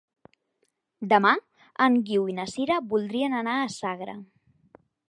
Demà en Guiu i na Sira voldrien anar a Sagra.